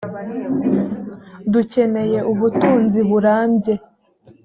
dukeneye ubutunzi burambye